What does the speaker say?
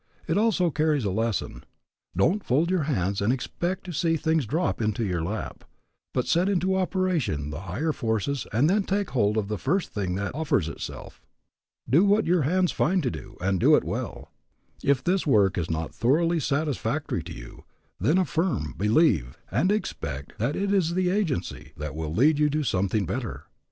It also carries a lesson, Don't fold your hands and expect to see things drop into your lap, but set into operation the higher forces and then take hold of the first thing that offers itself. Do what your hands find to do, and do it well. If this work is not thoroughly satisfactory to you, then affirm, believe, and expect that it is the agency that will lead you to something better.